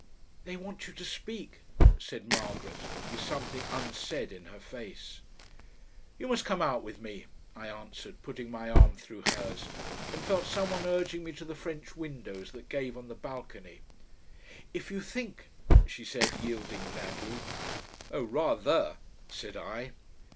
"They want you to speak," said Margaret, with something unsaid in her face. "You must come out with me," I answered, putting my arm through hers, and felt someone urging me to the French windows that gave on the balcony. "If you think " she said, yielding gladly "Oh, RATHER!" said I.